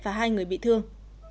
và hai người bị thương